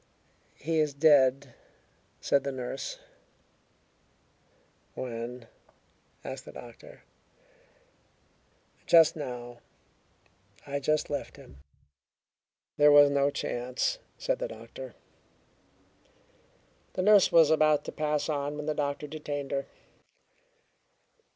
"He is dead," said the nurse. "When?" asked the doctor. "Just now. I just left him." "There was no chance," said the doctor. The nurse was about to pass on when the doctor detained her.